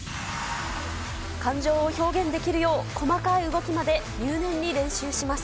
感情を表現できるよう細かい動きまで入念に練習します。